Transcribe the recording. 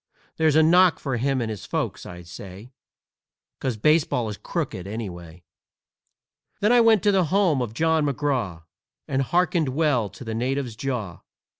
That's a knock for him and his folks, I say, 'Cause baseball is crooked, anyway!" Then I went to the home of John McGraw, And hearkened well to the natives' jaw.